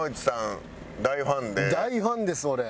大ファンです俺。